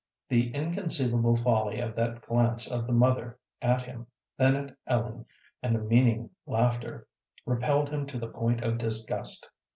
The inconceivable folly of that glance of the mother at him, then at Ellen, and the meaning laughter, repelled him to the point of disgust.